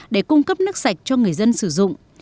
để cung cấp nước sạch cho người dân sử dụng